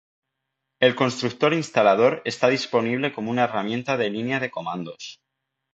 El constructor instalador está disponible como una herramienta de línea de comandos.